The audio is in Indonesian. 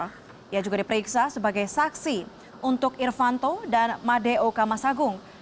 dia juga diperiksa sebagai saksi untuk irvanto dan made oka masagung